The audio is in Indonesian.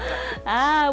masak di dalam bumbu